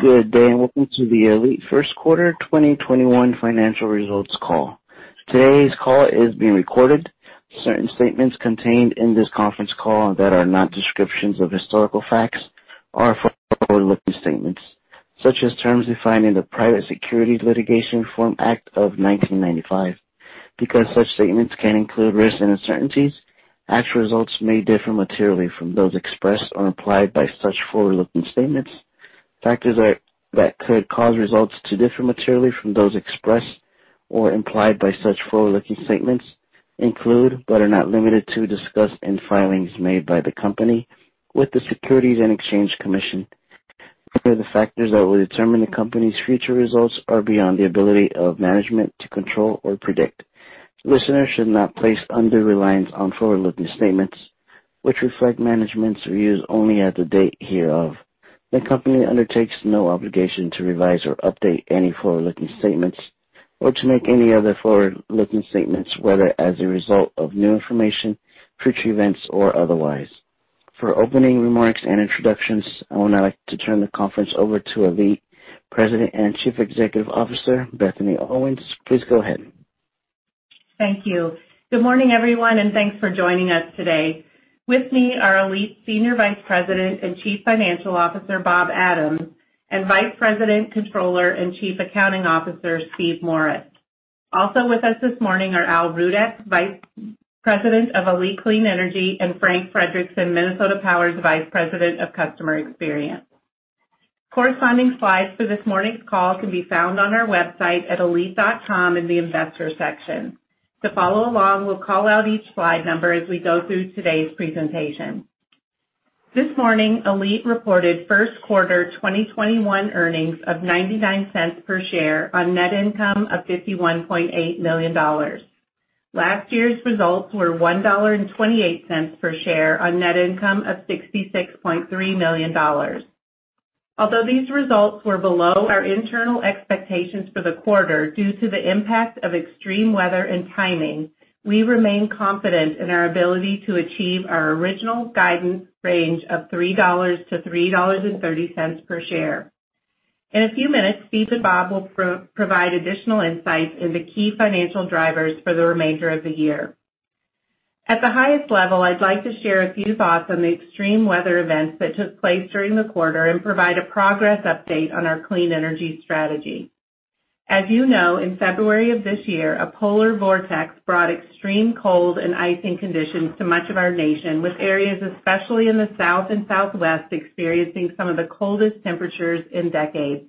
Good day. Welcome to the ALLETE First Quarter 2021 Financial Results Call. Today's call is being recorded. Certain statements contained in this conference call that are not descriptions of historical facts are forward-looking statements, such as terms defined in the Private Securities Litigation Reform Act of 1995. Because such statements can include risks and uncertainties, actual results may differ materially from those expressed or implied by such forward-looking statements. Factors that could cause results to differ materially from those expressed or implied by such forward-looking statements include, but are not limited to, discuss and filings made by the company with the Securities and Exchange Commission. Further factors that will determine the company's future results are beyond the ability of management to control or predict. Listeners should not place undue reliance on forward-looking statements, which reflect management's views only at the date hereof. The company undertakes no obligation to revise or update any forward-looking statements or to make any other forward-looking statements, whether as a result of new information, future events, or otherwise. For opening remarks and introductions, I would now like to turn the conference over to ALLETE President and Chief Executive Officer, Bethany Owen. Please go ahead. Thank you. Good morning, everyone, and thanks for joining us today. With me are ALLETE Senior Vice President and Chief Financial Officer, Bob Adams, and Vice President, Controller, and Chief Accounting Officer, Steve Morris. Also with us this morning are Al Rudeck, Vice President of ALLETE Clean Energy, and Frank Frederickson, Minnesota Power's Vice President of Customer Experience. Corresponding slides for this morning's call can be found on our website at allete.com in the Investors section. To follow along, we'll call out each slide number as we go through today's presentation. This morning, ALLETE reported first quarter 2021 earnings of $0.99 per share on net income of $51.8 million. Last year's results were $1.28 per share on net income of $66.3 million. Although these results were below our internal expectations for the quarter due to the impact of extreme weather and timing, we remain confident in our ability to achieve our original guidance range of $3-$3.30 per share. In a few minutes, Steve and Bob will provide additional insights into key financial drivers for the remainder of the year. At the highest level, I'd like to share a few thoughts on the extreme weather events that took place during the quarter and provide a progress update on our clean energy strategy. As you know, in February of this year, a polar vortex brought extreme cold and icing conditions to much of our nation, with areas especially in the South and Southwest experiencing some of the coldest temperatures in decades.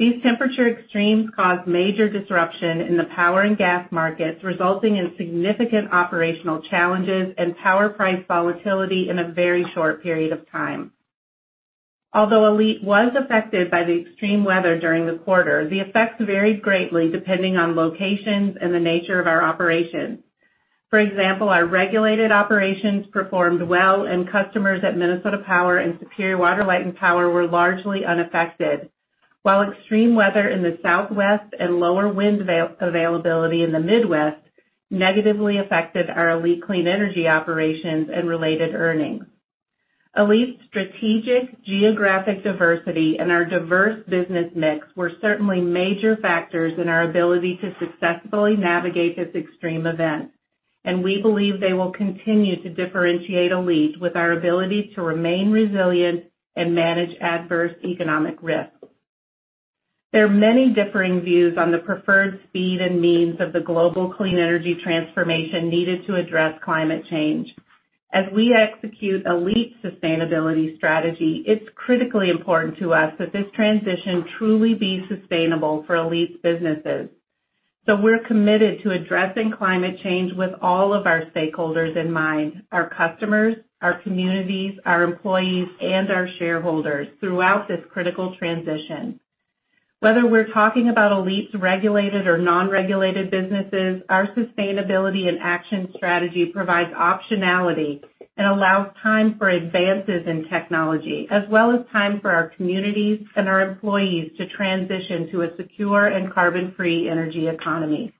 These temperature extremes caused major disruption in the power and gas markets, resulting in significant operational challenges and power price volatility in a very short period of time. Although ALLETE was affected by the extreme weather during the quarter, the effects varied greatly depending on locations and the nature of our operations. For example, our regulated operations performed well, and customers at Minnesota Power and Superior Water, Light and Power were largely unaffected. While extreme weather in the Southwest and lower wind availability in the Midwest negatively affected our ALLETE Clean Energy operations and related earnings. ALLETE's strategic geographic diversity and our diverse business mix were certainly major factors in our ability to successfully navigate this extreme event, and we believe they will continue to differentiate ALLETE with our ability to remain resilient and manage adverse economic risks. There are many differing views on the preferred speed and means of the global clean energy transformation needed to address climate change. As we execute ALLETE's sustainability strategy, it's critically important to us that this transition truly be sustainable for ALLETE's businesses. We're committed to addressing climate change with all of our stakeholders in mind, our customers, our communities, our employees, and our shareholders throughout this critical transition. Whether we're talking about ALLETE's regulated or non-regulated businesses, our sustainability and action strategy provides optionality and allows time for advances in technology, as well as time for our communities and our employees to transition to a secure and carbon-free energy economy.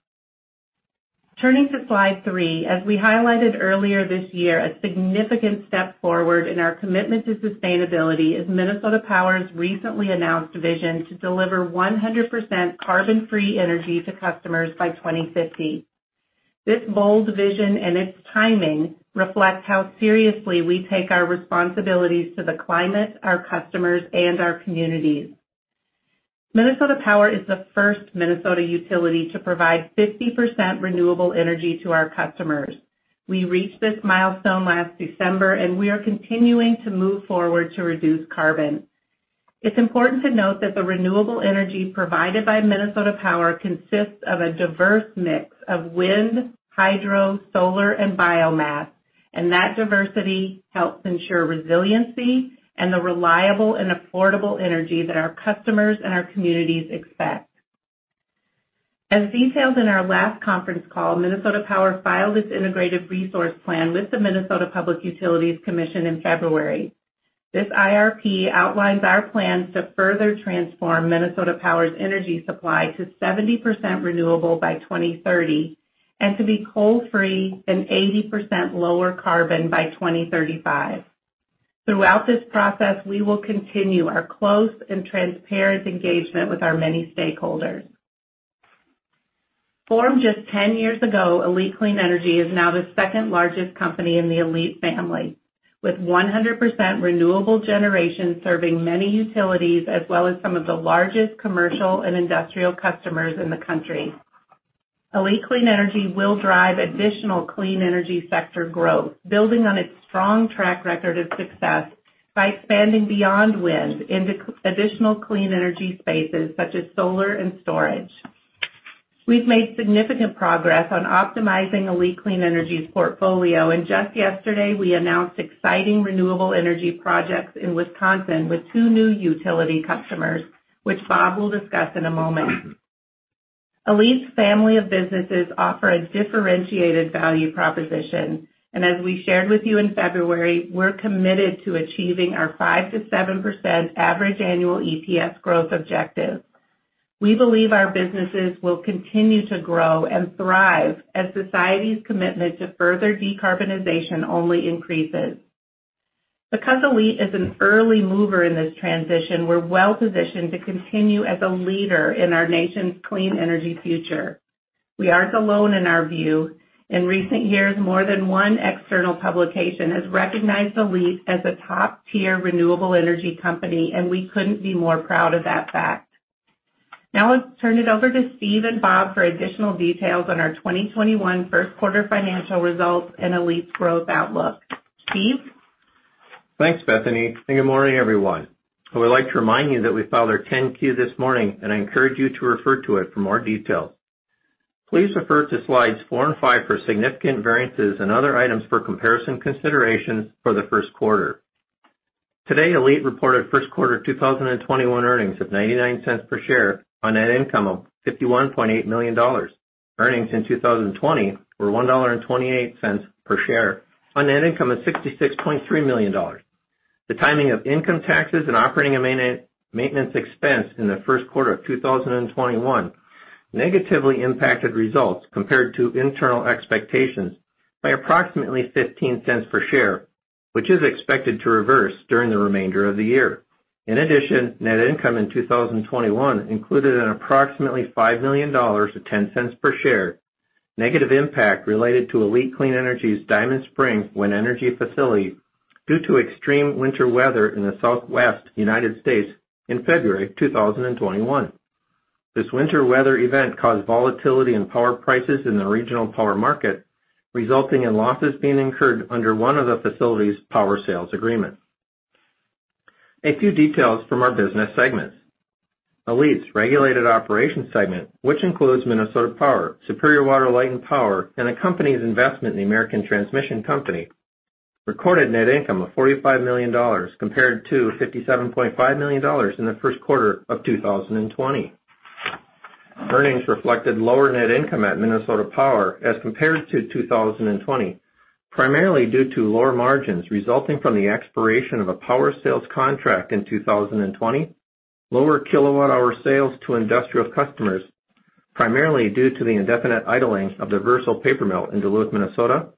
Turning to slide three, as we highlighted earlier this year, a significant step forward in our commitment to sustainability is Minnesota Power's recently announced vision to deliver 100% carbon-free energy to customers by 2050. This bold vision and its timing reflects how seriously we take our responsibilities to the climate, our customers, and our communities. Minnesota Power is the first Minnesota utility to provide 50% renewable energy to our customers. We reached this milestone last December, and we are continuing to move forward to reduce carbon. It's important to note that the renewable energy provided by Minnesota Power consists of a diverse mix of wind, hydro, solar, and biomass, and that diversity helps ensure resiliency and the reliable and affordable energy that our customers and our communities expect. As detailed in our last conference call, Minnesota Power filed its integrated resource plan with the Minnesota Public Utilities Commission in February. This IRP outlines our plans to further transform Minnesota Power's energy supply to 70% renewable by 2030. To be coal-free and 80% lower carbon by 2035. Throughout this process, we will continue our close and transparent engagement with our many stakeholders. Formed just 10 years ago, ALLETE Clean Energy is now the second-largest company in the ALLETE family, with 100% renewable generation serving many utilities, as well as some of the largest commercial and industrial customers in the country. ALLETE Clean Energy will drive additional clean energy sector growth, building on its strong track record of success by expanding beyond wind into additional clean energy spaces, such as solar and storage. We've made significant progress on optimizing ALLETE Clean Energy's portfolio, and just yesterday, we announced exciting renewable energy projects in Wisconsin with two new utility customers, which Bob will discuss in a moment. ALLETE's family of businesses offer a differentiated value proposition, and as we shared with you in February, we're committed to achieving our 5%-7% average annual EPS growth objective. We believe our businesses will continue to grow and thrive as society's commitment to further decarbonization only increases. Because ALLETE is an early mover in this transition, we're well-positioned to continue as a leader in our nation's clean energy future. We aren't alone in our view. In recent years, more than one external publication has recognized ALLETE as a top-tier renewable energy company, and we couldn't be more proud of that fact. Now I'll turn it over to Steve and Bob for additional details on our 2021 first quarter financial results and ALLETE's growth outlook. Steve? Thanks, Bethany. Good morning, everyone. I would like to remind you that we filed our 10-Q this morning, and I encourage you to refer to it for more details. Please refer to slides four and five for significant variances and other items for comparison considerations for the first quarter. Today, ALLETE reported first quarter 2021 earnings of $0.99 per share on net income of $51.8 million. Earnings in 2020 were $1.28 per share on net income of $66.3 million. The timing of income taxes and operating and maintenance expense in the first quarter of 2021 negatively impacted results compared to internal expectations by approximately $0.15 per share, which is expected to reverse during the remainder of the year. In addition, net income in 2021 included an approximately $5 million to $0.10 per share negative impact related to ALLETE Clean Energy's Diamond Spring Wind Energy facility due to extreme winter weather in the Southwest U.S. in February 2021. This winter weather event caused volatility in power prices in the regional power market, resulting in losses being incurred under one of the facility's power sales agreement. A few details from our business segments. ALLETE's regulated operations segment, which includes Minnesota Power, Superior Water, Light and Power, and the company's investment in the American Transmission Company, recorded net income of $45 million compared to $57.5 million in the first quarter of 2020. Earnings reflected lower net income at Minnesota Power as compared to 2020, primarily due to lower margins resulting from the expiration of a power sales contract in 2020, lower kWh sales to industrial customers, primarily due to the indefinite idling of the Verso paper mill in Duluth, Minnesota,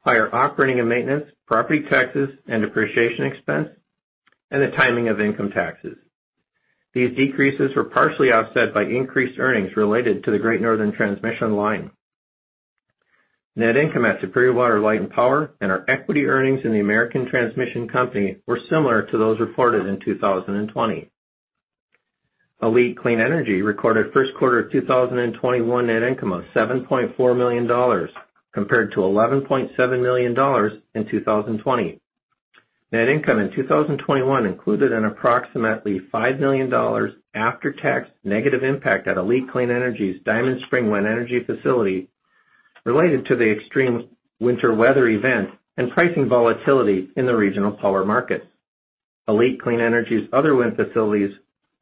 higher operating and maintenance, property taxes, and depreciation expense, and the timing of income taxes. These decreases were partially offset by increased earnings related to the Great Northern Transmission Line. Net income at Superior Water, Light, and Power and our equity earnings in the American Transmission Company were similar to those reported in 2020. ALLETE Clean Energy recorded first quarter 2021 net income of $7.4 million compared to $11.7 million in 2020. Net income in 2021 included an approximately $5 million after-tax negative impact at ALLETE Clean Energy's Diamond Spring Wind Energy facility related to the extreme winter weather event and pricing volatility in the regional power markets. ALLETE Clean Energy's other wind facilities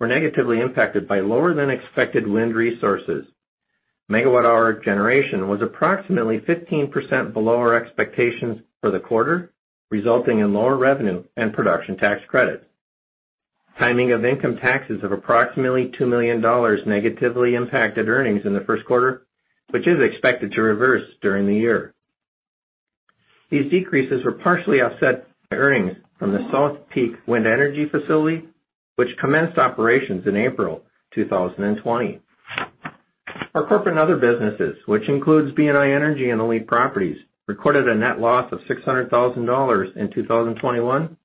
were negatively impacted by lower-than-expected wind resources. MWh generation was approximately 15% below our expectations for the quarter, resulting in lower revenue and production tax credits. Timing of income taxes of approximately $2 million negatively impacted earnings in the first quarter, which is expected to reverse during the year. These decreases were partially offset by earnings from the South Peak Wind Energy facility, which commenced operations in April 2020. Our corporate and other businesses, which includes BNI Energy and ALLETE Properties, recorded a net loss of $600,000 in 2021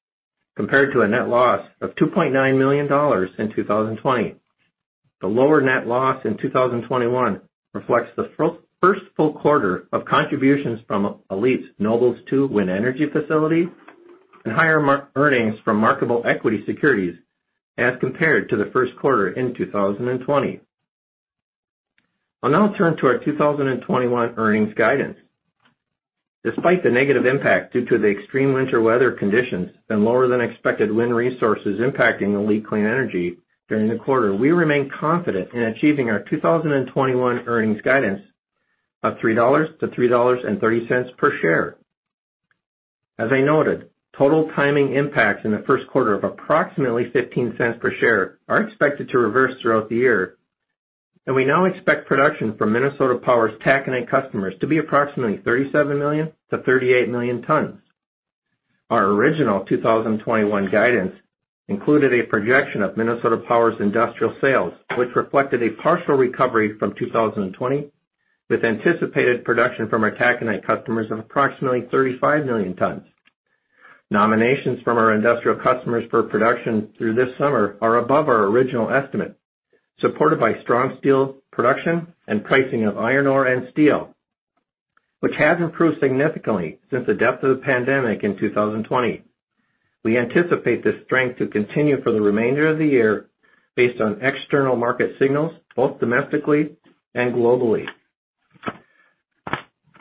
compared to a net loss of $2.9 million in 2020. The lower net loss in 2021 reflects the first full quarter of contributions from ALLETE's Nobles 2 wind energy facility and higher marked earnings from marketable equity securities as compared to the first quarter in 2020. I'll now turn to our 2021 earnings guidance. Despite the negative impact due to the extreme winter weather conditions and lower-than-expected wind resources impacting ALLETE Clean Energy during the quarter, we remain confident in achieving our 2021 earnings guidance of $3-$3.30 per share. As I noted, total timing impacts in the first quarter of approximately $0.15 per share are expected to reverse throughout the year. We now expect production from Minnesota Power's taconite customers to be approximately 37 million tons-38 million tons. Our original 2021 guidance included a projection of Minnesota Power's industrial sales, which reflected a partial recovery from 2020, with anticipated production from our taconite customers of approximately 35 million tons. Nominations from our industrial customers for production through this summer are above our original estimate, supported by strong steel production and pricing of iron ore and steel, which has improved significantly since the depth of the pandemic in 2020. We anticipate this strength to continue for the remainder of the year based on external market signals, both domestically and globally.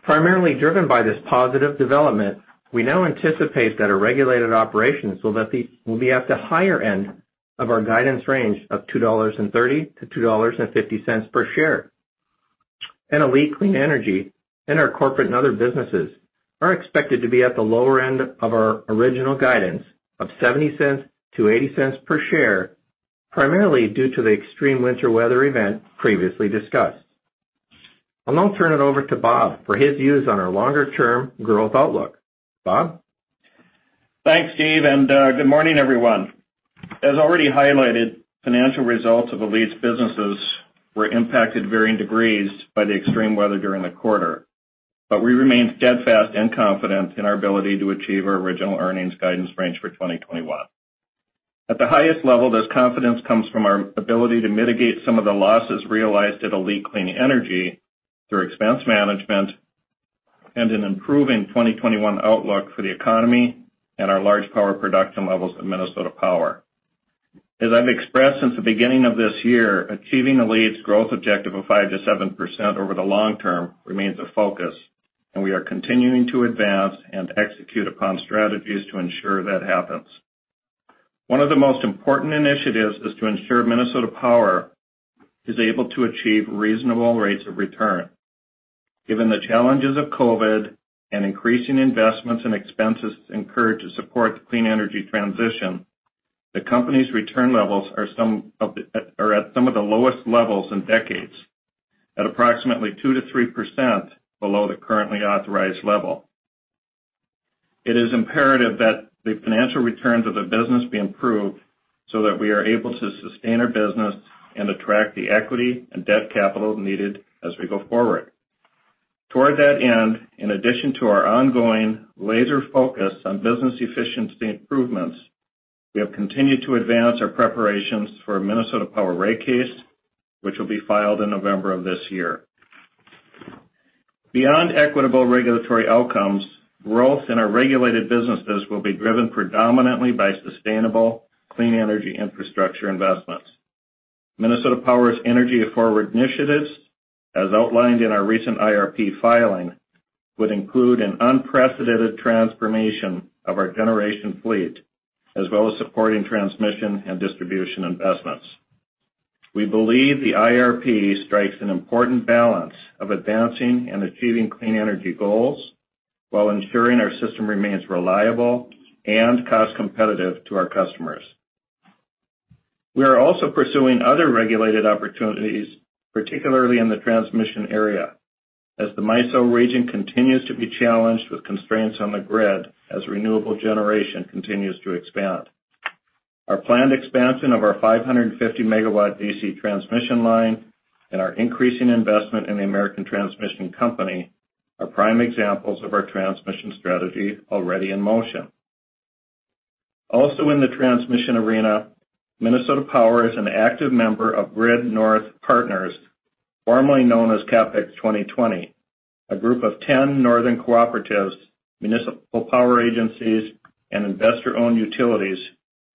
Primarily driven by this positive development, we now anticipate that our regulated operations will be at the higher end of our guidance range of $2.30-$2.50 per share. ALLETE Clean Energy and our corporate and other businesses are expected to be at the lower end of our original guidance of $0.70-$0.80 per share, primarily due to the extreme winter weather event previously discussed. I'll now turn it over to Bob for his views on our longer-term growth outlook. Bob? Thanks, Steve. Good morning, everyone. As already highlighted, financial results of ALLETE's businesses were impacted varying degrees by the extreme weather during the quarter. We remain steadfast and confident in our ability to achieve our original earnings guidance range for 2021. At the highest level, this confidence comes from our ability to mitigate some of the losses realized at ALLETE Clean Energy through expense management and an improving 2021 outlook for the economy and our large power production levels at Minnesota Power. As I've expressed since the beginning of this year, achieving ALLETE's growth objective of 5% to 7% over the long term remains a focus, and we are continuing to advance and execute upon strategies to ensure that happens. One of the most important initiatives is to ensure Minnesota Power is able to achieve reasonable rates of return. Given the challenges of COVID and increasing investments and expenses incurred to support the clean energy transition, the company's return levels are at some of the lowest levels in decades, at approximately 2%-3% below the currently authorized level. It is imperative that the financial returns of the business be improved so that we are able to sustain our business and attract the equity and debt capital needed as we go forward. Toward that end, in addition to our ongoing laser focus on business efficiency improvements, we have continued to advance our preparations for Minnesota Power rate case, which will be filed in November of this year. Beyond equitable regulatory outcomes, growth in our regulated businesses will be driven predominantly by sustainable clean energy infrastructure investments. Minnesota Power's EnergyForward initiatives, as outlined in our recent IRP filing, would include an unprecedented transformation of our generation fleet, as well as supporting transmission and distribution investments. We believe the IRP strikes an important balance of advancing and achieving clean energy goals while ensuring our system remains reliable and cost competitive to our customers. We are also pursuing other regulated opportunities, particularly in the transmission area, as the MISO region continues to be challenged with constraints on the grid as renewable generation continues to expand. Our planned expansion of our 550 MW DC transmission line and our increasing investment in the American Transmission Company are prime examples of our transmission strategy already in motion. Also in the transmission arena, Minnesota Power is an active member of Grid North Partners, formerly known as CapX2020, a group of 10 northern cooperatives, municipal power agencies, and investor-owned utilities,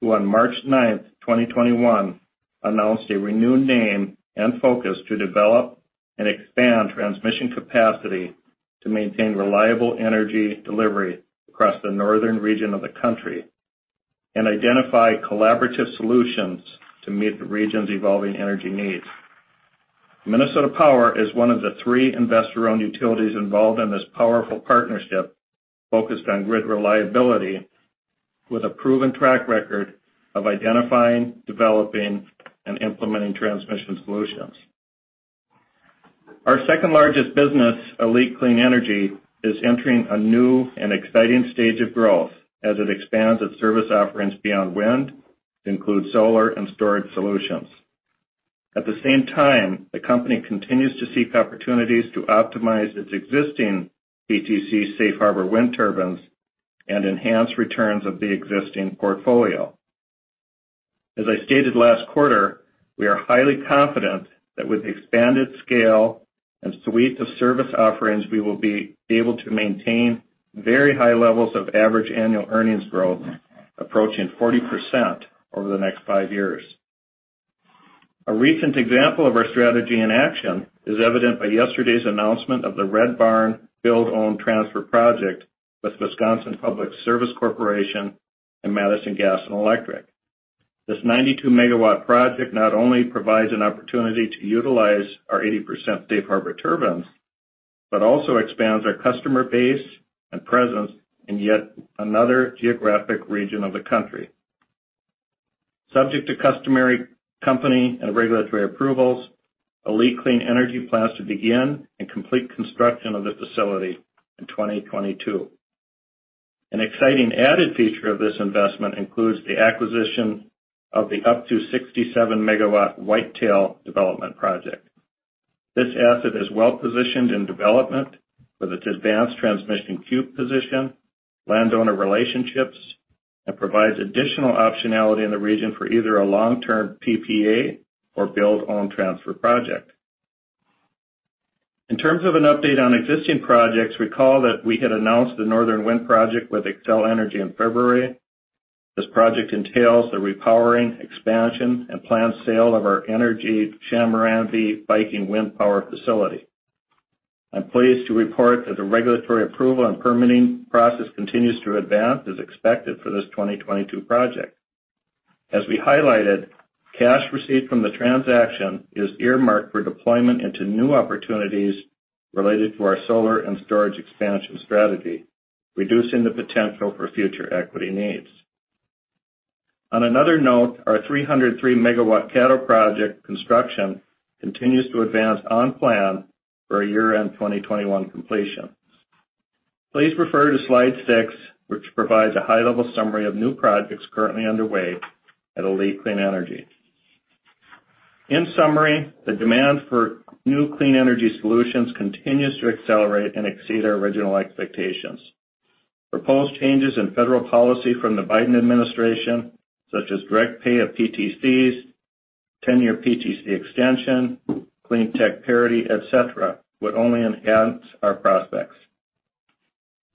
who on March 9th, 2021, announced a renewed name and focus to develop and expand transmission capacity to maintain reliable energy delivery across the northern region of the country and identify collaborative solutions to meet the region's evolving energy needs. Minnesota Power is one of the three investor-owned utilities involved in this powerful partnership focused on grid reliability with a proven track record of identifying, developing, and implementing transmission solutions. Our second-largest business, ALLETE Clean Energy, is entering a new and exciting stage of growth as it expands its service offerings beyond wind to include solar and storage solutions. At the same time, the company continues to seek opportunities to optimize its existing PTC Safe Harbor wind turbines and enhance returns of the existing portfolio. As I stated last quarter, we are highly confident that with the expanded scale and suite of service offerings, we will be able to maintain very high levels of average annual earnings growth, approaching 40% over the next five years. A recent example of our strategy in action is evident by yesterday's announcement of the Red Barn build-own-transfer project with Wisconsin Public Service Corporation and Madison Gas and Electric. This 92 MW project not only provides an opportunity to utilize our 80% Safe Harbor turbines, but also expands our customer base and presence in yet another geographic region of the country. Subject to customary company and regulatory approvals, ALLETE Clean Energy plans to begin and complete construction of this facility in 2022. An exciting added feature of this investment includes the acquisition of the up to 67 MW Whitetail development project. This asset is well-positioned in development with its advanced transmission queue position, landowner relationships, and provides additional optionality in the region for either a long-term PPA or build-own-transfer project. In terms of an update on existing projects, recall that we had announced the Northern Wind project with Xcel Energy in February. This project entails the repowering, expansion, and planned sale of our energy Chanarambie Viking wind power facility. I'm pleased to report that the regulatory approval and permitting process continues to advance as expected for this 2022 project. As we highlighted, cash received from the transaction is earmarked for deployment into new opportunities related to our solar and storage expansion strategy, reducing the potential for future equity needs. On another note, our 303 MW Caddo project construction continues to advance on plan for a year-end 2021 completion. Please refer to slide six, which provides a high-level summary of new projects currently underway at ALLETE Clean Energy. In summary, the demand for new clean energy solutions continues to accelerate and exceed our original expectations. Proposed changes in federal policy from the Biden administration, such as direct pay of PTCs, 10-year PTC extension, clean tech parity, et cetera, would only enhance our prospects.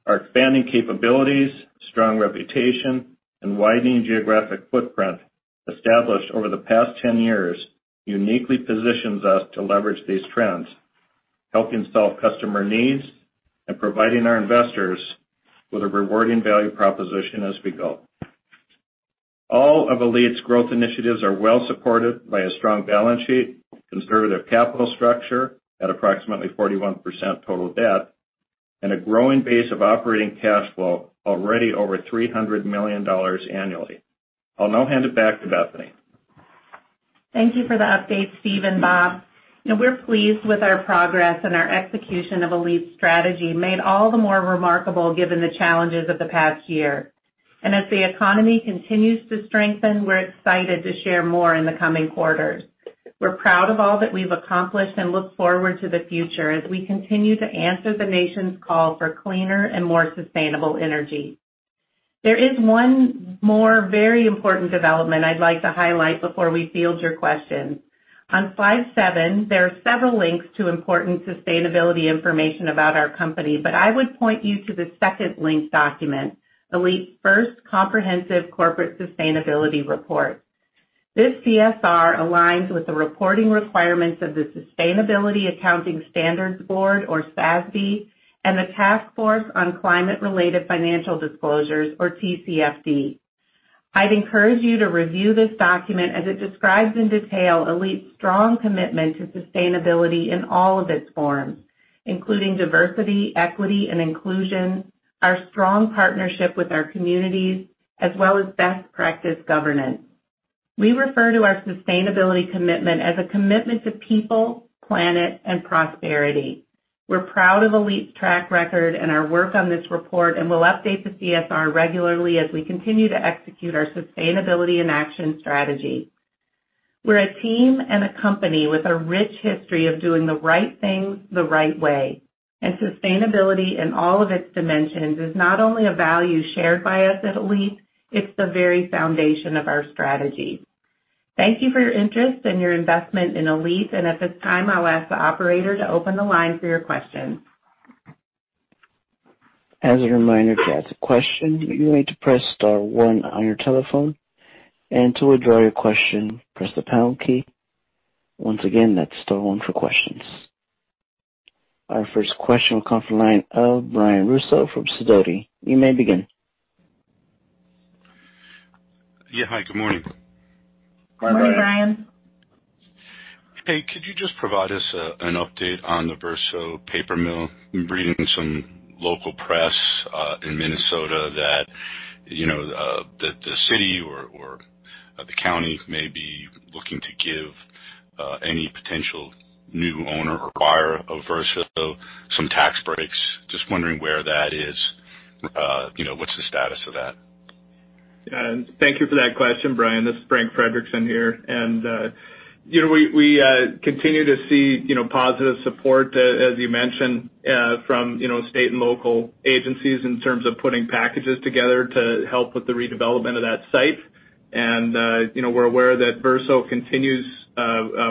Our expanding capabilities, strong reputation, and widening geographic footprint established over the past 10 years uniquely positions us to leverage these trends, helping solve customer needs and providing our investors with a rewarding value proposition as we go. All of ALLETE's growth initiatives are well supported by a strong balance sheet, conservative capital structure at approximately 41% total debt, and a growing base of operating cash flow already over $300 million annually. I'll now hand it back to Bethany. Thank you for the update, Steve and Bob. We're pleased with our progress and our execution of ALLETE's strategy, made all the more remarkable given the challenges of the past year. As the economy continues to strengthen, we're excited to share more in the coming quarters. We're proud of all that we've accomplished and look forward to the future as we continue to answer the nation's call for cleaner and more sustainable energy. There is one more very important development I'd like to highlight before we field your questions. On slide seven, there are several links to important sustainability information about our company, but I would point you to the second linked document, ALLETE's first comprehensive corporate sustainability report. This CSR aligns with the reporting requirements of the Sustainability Accounting Standards Board, or SASB, and the Task Force on Climate-related Financial Disclosures, or TCFD. I'd encourage you to review this document as it describes in detail ALLETE's strong commitment to sustainability in all of its forms, including diversity, equity, and inclusion, our strong partnership with our communities, as well as best practice governance. We refer to our sustainability commitment as a commitment to people, planet, and prosperity. We're proud of ALLETE's track record and our work on this report. We'll update the CSR regularly as we continue to execute our sustainability in action strategy. We're a team and a company with a rich history of doing the right things the right way. Sustainability in all of its dimensions is not only a value shared by us at ALLETE, it's the very foundation of our strategy. Thank you for your interest and your investment in ALLETE. At this time, I'll ask the operator to open the line for your questions. As a reminder to ask your question, you need to press star one on your telephone and to withdraw your question press the pound key, once again let's storm for questions. Our first question will come from the line of Brian Russo from Sidoti. You may begin. Yeah. Hi, good morning. Morning, Brian. Hi, Brian. Hey, could you just provide us an update on the Verso paper mill? I'm reading some local press in Minnesota that the city or the county may be looking to give any potential new owner or buyer of Verso some tax breaks. Just wondering where that is? What's the status of that? Thank you for that question, Brian. This is Frank Frederickson here. We continue to see positive support, as you mentioned, from state and local agencies in terms of putting packages together to help with the redevelopment of that site. We're aware that Verso continues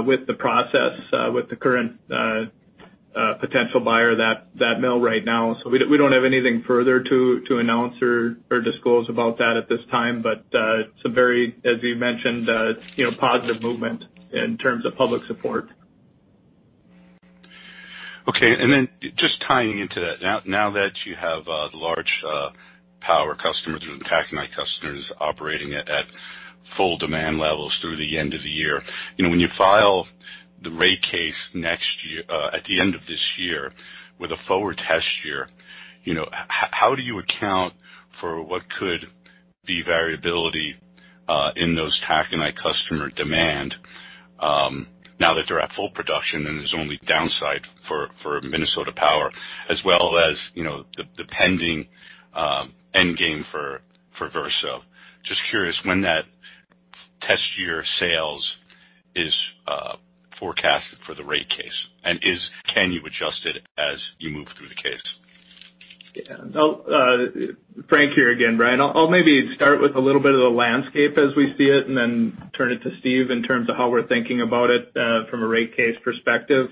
with the process with the current potential buyer of that mill right now. We don't have anything further to announce or disclose about that at this time. Some very, as you mentioned, positive movement in terms of public support. Okay. Just tying into that, now that you have large power customers or the taconite customers operating at full demand levels through the end of the year, when you file the rate case at the end of this year with a forward test year, how do you account for what could be variability in those taconite customer demand now that they're at full production and there's only downside for Minnesota Power as well as the pending endgame for Verso? Just curious when that test year sales is forecasted for the rate case, and can you adjust it as you move through the case? Frank here again, Brian. I'll maybe start with a little bit of the landscape as we see it and then turn it to Steve in terms of how we're thinking about it from a rate case perspective.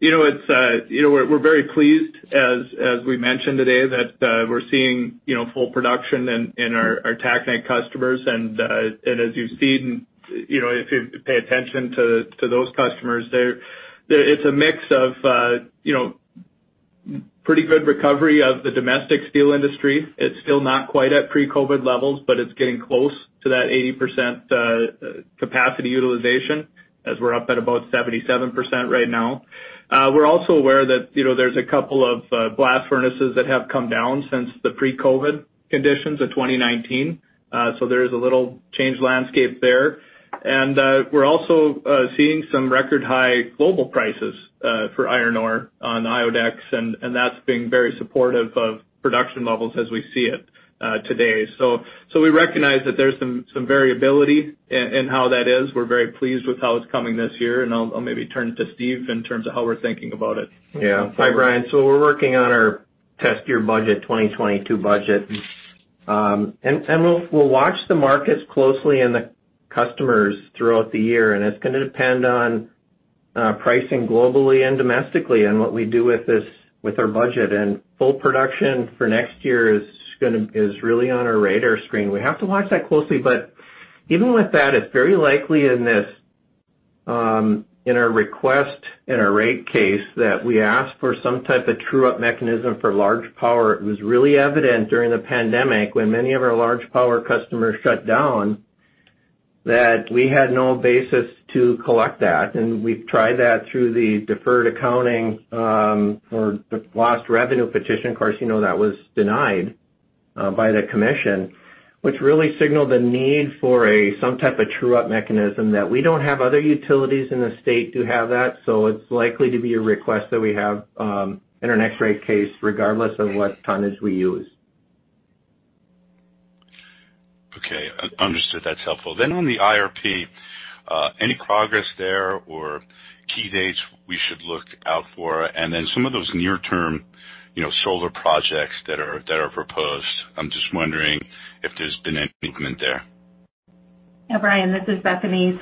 We're very pleased, as we mentioned today, that we're seeing full production in our taconite customers. As you've seen, if you pay attention to those customers, it's a mix of pretty good recovery of the domestic steel industry. It's still not quite at pre-COVID levels, but it's getting close to that 80% capacity utilization, as we're up at about 77% right now. We're also aware that there's a couple of blast furnaces that have come down since the pre-COVID conditions of 2019. There is a little changed landscape there. We're also seeing some record-high global prices for iron ore on IODEX, and that's being very supportive of production levels as we see it today. We recognize that there's some variability in how that is. We're very pleased with how it's coming this year, and I'll maybe turn it to Steve in terms of how we're thinking about it. Yeah. Hi, Brian. We're working on our test year budget 2022 budget. We'll watch the markets closely and the customers throughout the year, and it's going to depend on pricing globally and domestically and what we do with our budget. Full production for next year is really on our radar screen. We have to watch that closely, but even with that, it's very likely in our request, in our rate case, that we ask for some type of true-up mechanism for large power. It was really evident during the pandemic when many of our large power customers shut down, that we had no basis to collect that. We've tried that through the deferred accounting or the lost revenue petition. Of course, you know, that was denied by the Commission, which really signaled the need for some type of true-up mechanism that we don't have other utilities in the state who have that. It's likely to be a request that we have in our next rate case, regardless of what tonnage we use. Okay. Understood. That's helpful. On the IRP, any progress there or key dates we should look out for? Some of those near-term solar projects that are proposed, I'm just wondering if there's been any movement there? Yeah, Brian, this is Bethany.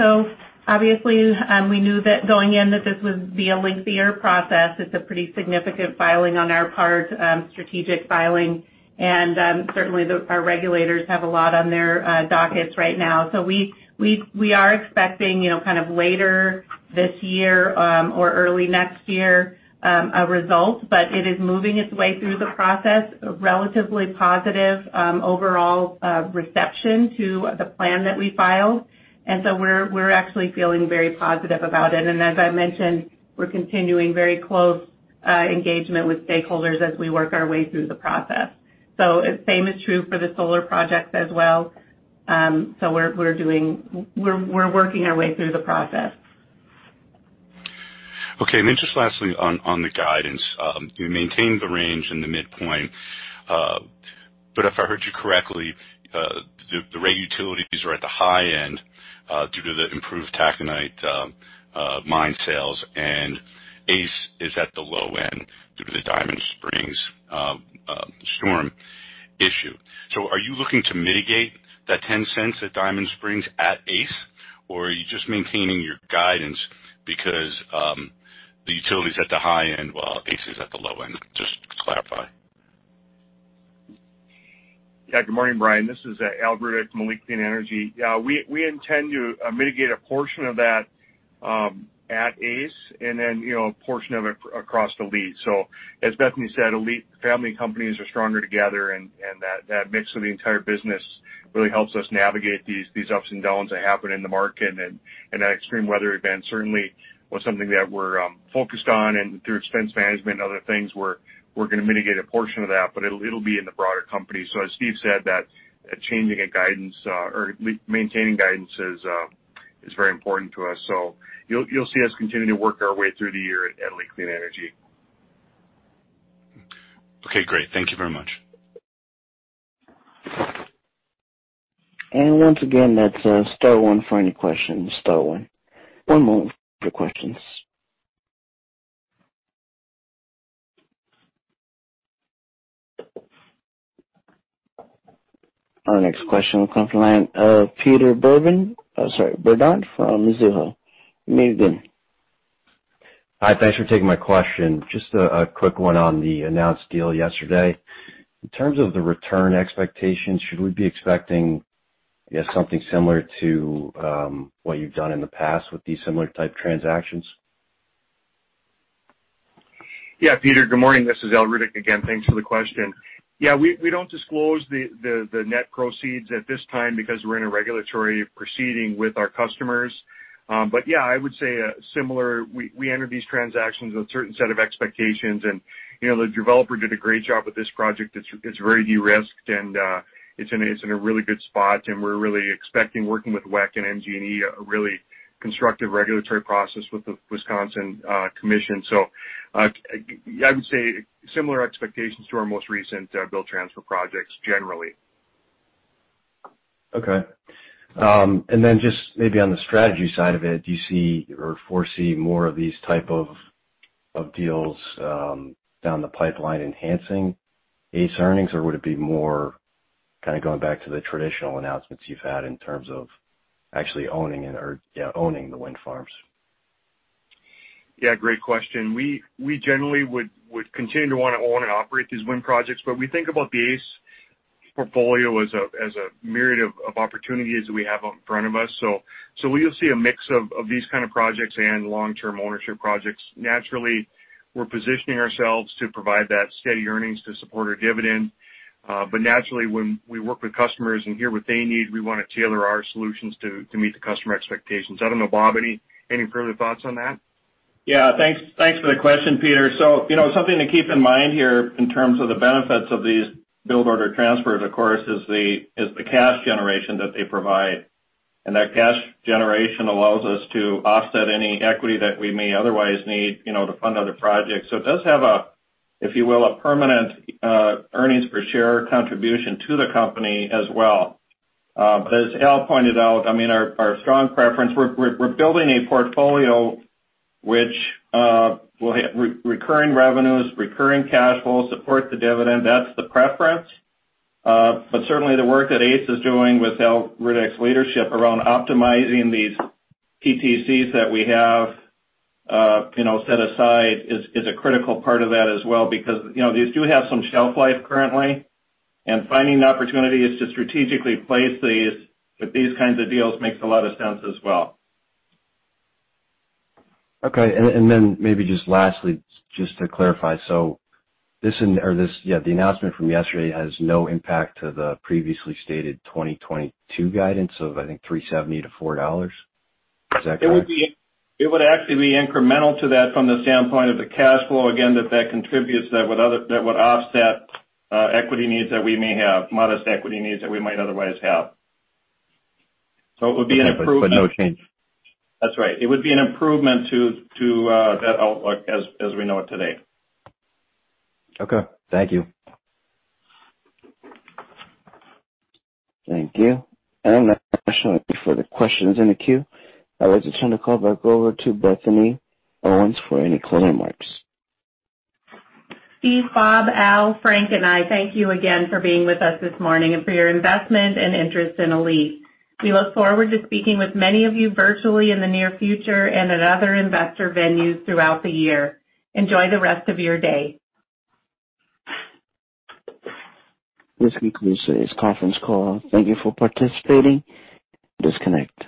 Obviously, we knew that going in that this would be a lengthier process. It's a pretty significant filing on our part, strategic filing. Certainly, our regulators have a lot on their dockets right now. We are expecting kind of later this year or early next year a result. It is moving its way through the process, relatively positive overall reception to the plan that we filed. We're actually feeling very positive about it. As I mentioned, we're continuing very close engagement with stakeholders as we work our way through the process. Same is true for the solar projects as well. We're working our way through the process. Okay. Then just lastly on the guidance. You maintained the range in the midpoint, but if I heard you correctly, the rate utilities are at the high end due to the improved taconite mine sales, and ACE is at the low end due to the Diamond Spring storm issue. Are you looking to mitigate that $0.10 at Diamond Spring at ACE, or are you just maintaining your guidance because the utility's at the high end while ACE is at the low end? Just to clarify. Good morning, Brian. This is Al Rudeck at ALLETE Clean Energy. We intend to mitigate a portion of that at ACE and then a portion of it across ALLETE. As Bethany Owen said, ALLETE family companies are stronger together, and that mix of the entire business really helps us navigate these ups and downs that happen in the market. That extreme weather event certainly was something that we're focused on, and through expense management and other things, we're going to mitigate a portion of that. It'll be in the broader company. As Steve said, that changing a guidance or maintaining guidance is very important to us. You'll see us continue to work our way through the year at ALLETE Clean Energy. Okay, great. Thank you very much. Once again, that's star one for any questions. Star one. One moment for questions. Our next question will come from the line of Peter Bourdon. Sorry, Bourdon from Mizuho. You may begin. Hi. Thanks for taking my question. Just a quick one on the announced deal yesterday. In terms of the return expectations, should we be expecting something similar to what you've done in the past with these similar type transactions? Yeah, Peter, good morning. This is Al Rudeck again. Thanks for the question. Yeah, we don't disclose the net proceeds at this time because we're in a regulatory proceeding with our customers. Yeah, I would say similar. We enter these transactions with a certain set of expectations. The developer did a great job with this project. It's very de-risked, and it's in a really good spot, and we're really expecting, working with WEC and MGE, a really constructive regulatory process with the Wisconsin Commission. I would say similar expectations to our most recent build-own-transfer projects generally. Okay. Then just maybe on the strategy side of it, do you see or foresee more of these type of deals down the pipeline enhancing ACE earnings, or would it be more kind of going back to the traditional announcements you've had in terms of actually owning the wind farms? Yeah, great question. We generally would continue to want to own and operate these wind projects, but we think about the ACE portfolio as a myriad of opportunities that we have in front of us. You'll see a mix of these kind of projects and long-term ownership projects. Naturally, we're positioning ourselves to provide that steady earnings to support our dividend. Naturally, when we work with customers and hear what they need, we want to tailor our solutions to meet the customer expectations. I don't know, Bob, any further thoughts on that? Yeah, thanks for the question, Peter. Something to keep in mind here in terms of the benefits of these build-own-transfers, of course, is the cash generation that they provide. That cash generation allows us to offset any equity that we may otherwise need to fund other projects. It does have a, if you will, a permanent earnings per share contribution to the company as well. As Al pointed out, our strong preference, we're building a portfolio which will have recurring revenues, recurring cash flow, support the dividend. That's the preference. Certainly the work that ACE is doing with Al Rudeck's leadership around optimizing these PTCs that we have set aside is a critical part of that as well. These do have some shelf life currently, and finding the opportunities to strategically place these with these kinds of deals makes a lot of sense as well. Okay, maybe just lastly, just to clarify. The announcement from yesterday has no impact to the previously stated 2022 guidance of, I think, $3.70-$4.00. Is that correct? It would actually be incremental to that from the standpoint of the cash flow, again, that contributes, that would offset equity needs that we may have, modest equity needs that we might otherwise have. It would be an improvement. No change. That's right. It would be an improvement to that outlook as we know it today. Okay. Thank you. Thank you. That's all the questions in the queue. I would just turn the call back over to Bethany Owen for any closing remarks. Steve, Bob, Al, Frank, and I thank you again for being with us this morning and for your investment and interest in ALLETE. We look forward to speaking with many of you virtually in the near future and at other investor venues throughout the year. Enjoy the rest of your day. This concludes today's conference call. Thank you for participating. Disconnect.